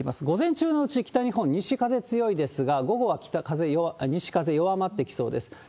午前中のうち、北日本は西風強いですが、午後は西風弱まってきそうです。